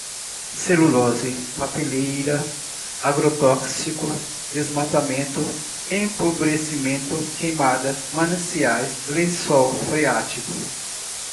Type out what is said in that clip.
celulose, papeleira, agrotóxicos, desmatamento, empobrecimento, queimadas, mananciais, lençol freático